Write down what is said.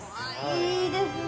いいですね。